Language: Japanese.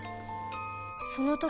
その時